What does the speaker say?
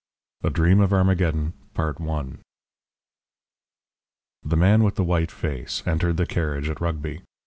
A DREAM OF ARMAGEDDON The man with the white face entered the carriage at Rugby.